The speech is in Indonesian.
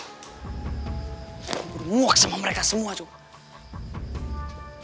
gue udah muak sama mereka semua coba